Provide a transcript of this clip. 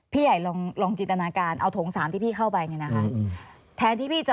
พี่ใหญ่ลองจินตนาการเอาถงสามที่พี่เข้าไปเนี่ยนะคะ